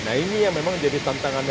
nah ini yang memang jadi tantangannya